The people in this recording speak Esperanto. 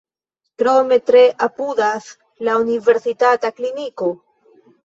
Krome tre apudas la Universitata kliniko.